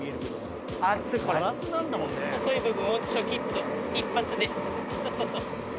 細い部分をチョキっと一発で。